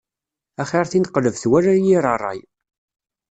Axir tineqlebt wala yir ṛṛay.